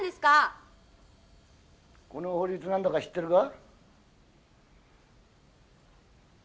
この法律何だか知ってるか？